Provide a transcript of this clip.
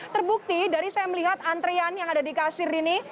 terbukti dari saya melihat antrian yang ada di kasir ini